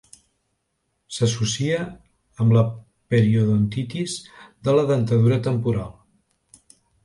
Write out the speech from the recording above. S'associa amb la periodontitis de la dentadura temporal.